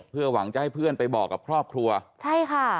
เพื่อหวังจะให้เพื่อนไปบอกกับครอบครัวใช่ค่ะ